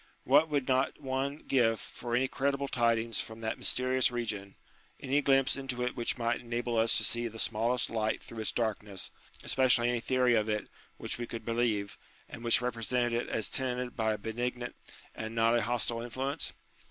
What would not one give for any credible tidings from that mysterious region, any glimpse into it which might enable us to gee the smallest light through its darkness, especially any theory of it which we could believe, and which represented it as tenanted by a benignant and not a hostile influence